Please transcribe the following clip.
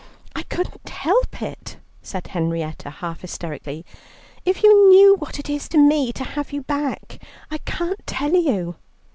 "I couldn't help it," said Henrietta, half hysterically. "If you knew what it is to me to have you back. I can't tell you."